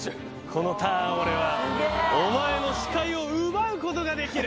このターン俺はお前の視界を奪うことができる！